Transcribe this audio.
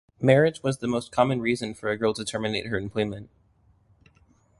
Marriage was the most common reason for a girl to terminate her employment.